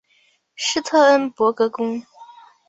施特恩伯格宫。